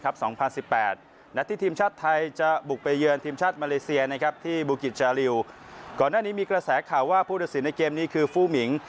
ก่อนหน้านี้มีกระแสข่าวว่าผู้ตัดสินในเกมนี้คือฟู้มิง